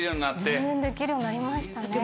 全然できるようになりましたね。